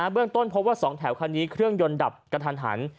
เบื้องต้นพบว่า๒แถวคันนี้เครื่องยนต์ดับกระทันหัน